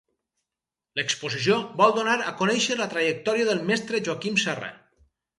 L'exposició vol donar a conèixer la trajectòria del Mestre Joaquim Serra.